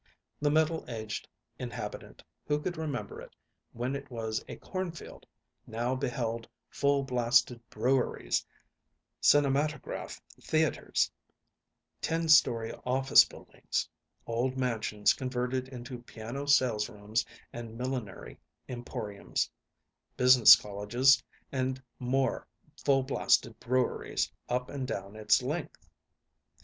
The middle aged inhabitant who could remember it when it was a corn field now beheld full blasted breweries, cinematograph theaters, ten story office buildings, old mansions converted into piano salesrooms and millinery emporiums, business colleges, and more full blasted breweries up and down its length.